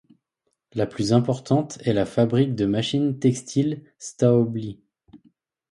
La plus importante est la fabrique de machines textiles Stäubli.